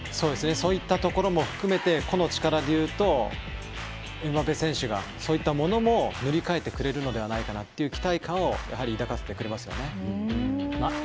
そういったところも含めて個の力で言うとエムバペ選手がそういったものも塗り替えてくれるのではないかという期待感をやはり抱かせてくれますよね。